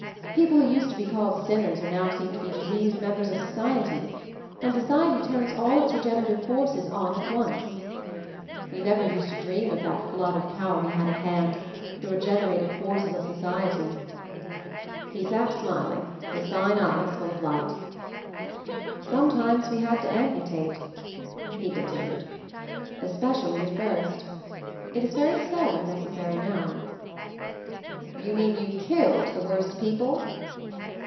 People who used to be called sinners are now seen to be diseased members of society, and so ciety turns all its regenerative forces on at once. We never used to dream of that MOVING THE MOUNTAIN 259 flood of power we had at hand — the Regen erative Forces of Society!" He sat smiling, his fine eyes full of light. "Sometimes we had to amputate," he con tinued, "especially at first. It is very sel dom necessary now." "You mean you killed the worst peo ple?"